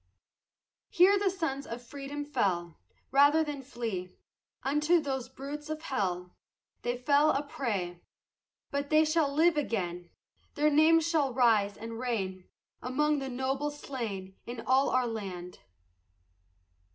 Here sons of freedom fell Rather than flee, Unto those brutes of hell They fell a prey; But they shall live again, Their names shall rise and reign Among the noble slain In all our land.